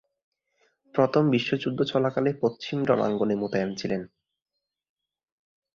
প্রথম বিশ্বযুদ্ধ চলাকালে পশ্চিম রণাঙ্গনে মোতায়েন ছিলেন।